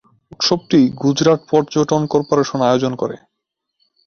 উৎসবটি গুজরাট পর্যটন কর্পোরেশন আয়োজন করে।